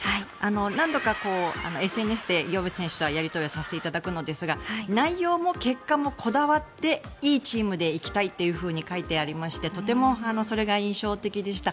何度かＳＮＳで岩渕選手とはやり取りをさせていただくのですが内容も結果もこだわっていいチームで行きたいと書いてありましてとてもそれが印象的でした。